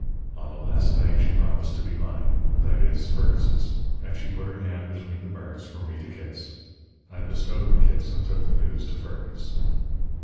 "On the last night she promised to be mine that is, Fergus's. And she put her hand between the bars for me to kiss. I bestowed the kiss and took the news to Fergus.